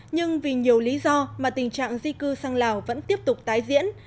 nhưng vì nhiều lý do mà tình trạng di cư sang lào vẫn tiếp tục tái diễn